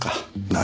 何？